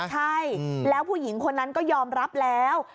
ใช่แล้วผู้หญิงคนนั้นก็ยอมรับแล้ว